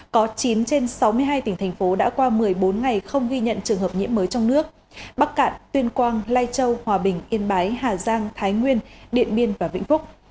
có chín trên sáu mươi hai tỉnh thành phố đã qua một mươi bốn ngày không ghi nhận trường hợp nhiễm mới trong nước bắc cạn tuyên quang lai châu hòa bình yên bái hà giang thái nguyên điện biên và vĩnh phúc